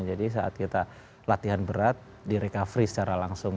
jadi saat kita latihan berat direcovery secara langsung